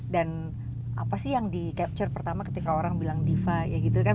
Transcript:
dan apa sih yang di capture pertama ketika orang bilang diva ya gitu kan